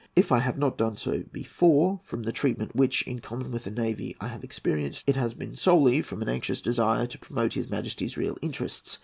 If I have not done so before, from the treatment which, in common with the navy. I have experienced, it has been solely from an anxious desire to promote his Majesty's real interests.